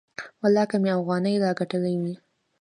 ولله که مې اوغانۍ لا گټلې وي.